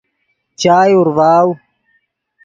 چائے اورڤاؤ